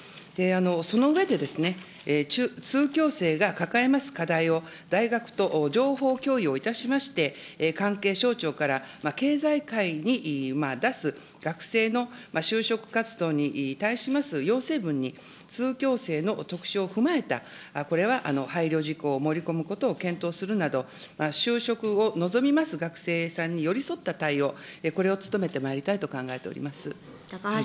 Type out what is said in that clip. その上で、通教生が抱えます課題を大学と情報共有をいたしまして、関係省庁から経済界に出す学生の就職活動に対します要請文に通教生の特徴を踏まえた、これは配慮事項を盛り込むことを検討するなど、就職を望みます学生さんに寄り添った対応、これを努めてまいりたいと考えております。